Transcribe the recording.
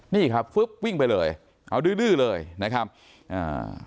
นี่ครับฟึ๊บวิ่งไปเลยเอาดื้อดื้อเลยนะครับอ่า